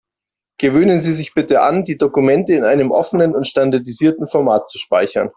Gewöhnen Sie sich bitte an, die Dokumente in einem offenen und standardisierten Format zu speichern.